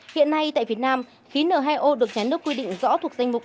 hiện nay tại việt nam khí n hai o được nhắn được quy định rõ thuộc danh mục